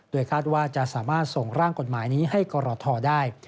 คาดว่าจะสามารถส่งร่างกฎหมายนี้ให้กรทได้